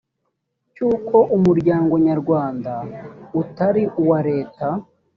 cy uko umuryango nyarwanda utari uwa leta